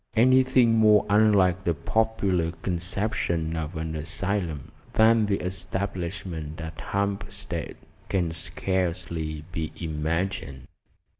Anything more unlike the popular conception of an asylum than the establishment at Hampstead can scarcely be imagined.